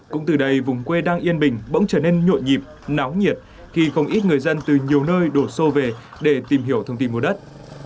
cũng từ đây vùng quê đang yên bình bỗng trở nên nhộn nhịp náo nhiệt khi không ít người dân từ nhiều nơi đổ xô về để tìm hiểu thông tin mua đất